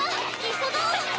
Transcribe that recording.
急ごう！